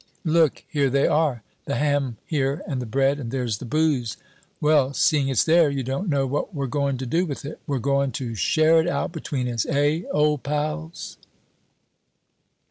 "Look, here they are! The ham here, and the bread, and there's the booze. Well, seeing it's there, you don't know what we're going to do with it? We're going to share it out between us, eh, old pals?"